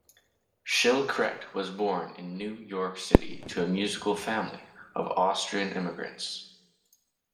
Shilkret was born in New York City to a musical family of Austrian immigrants.